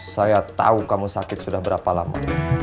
saya tahu kamu sakit sudah berapa lama